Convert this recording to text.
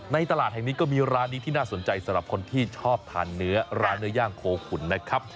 ตลาดแห่งนี้ก็มีร้านนี้ที่น่าสนใจสำหรับคนที่ชอบทานเนื้อร้านเนื้อย่างโคขุนนะครับ